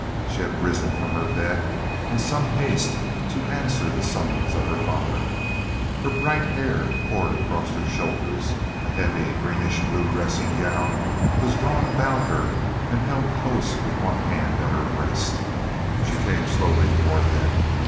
She had risen from her bed in some haste to answer the summons of her father. Her bright hair poured across her shoulders, a heavy, greenish blue dressing gown was drawn about her and held close with one hand at her breast. She came slowly toward them.